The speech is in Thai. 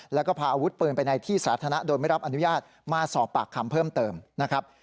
แล้วก็พาอาวุธปืนไปในที่สาธารณะโดยไม่รับอนุญาตมาสอบปากคำเพิ่มเติมนะครับ